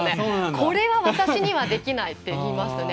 これは、私にはできないって言いますね。